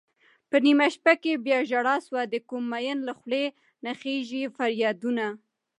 په نېمه شپه کې بياژړا سوه دکوم مين له خولې نه خيژي فريادونه